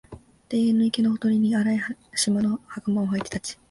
庭園の池のほとりに、荒い縞の袴をはいて立ち、